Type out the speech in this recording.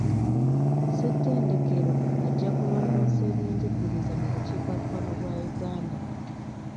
Ssetendekero ajja kulongoosa eby'enjigiriza mu bukiikakkono bwa Uganda.